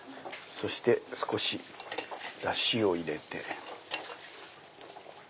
そして少しダシを入れて。